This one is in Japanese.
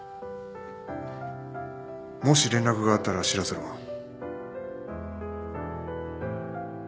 もし連絡があったら知らせろ。